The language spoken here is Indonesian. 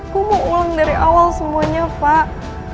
aku mau ulang dari awal semuanya pak